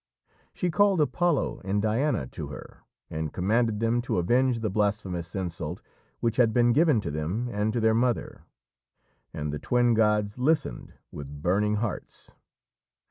She called Apollo and Diana to her, and commanded them to avenge the blasphemous insult which had been given to them and to their mother. And the twin gods listened with burning hearts.